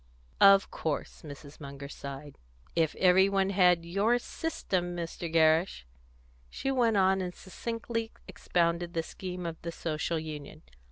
"Of course!" Mrs. Munger sighed. "If everybody had your system, Mr. Gerrish!" She went on and succinctly expounded the scheme of the Social Union.